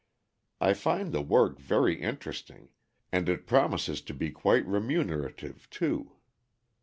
I find the work very interesting, and it promises to be quite remunerative too.